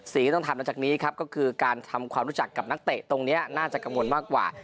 สิ่งที่ต้องทำหลังจากนี้ครับก็คือการทำความรู้จักกับนักเตะตรงนี้น่าจะกังวลมากกว่า